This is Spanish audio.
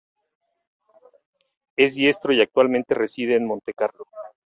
Es diestro y actualmente reside en Montecarlo.